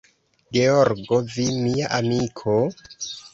Georgo, vi, mia amiko?